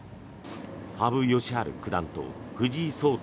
羽生善治九段と藤井聡太